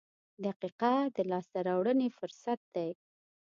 • دقیقه د لاسته راوړنې فرصت دی.